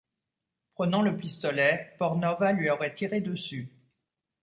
Prenant le pistolet, Portnova lui aurait tiré dessus.